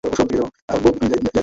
তিনি নিজেকে খুঁজে পেয়েছিলেন।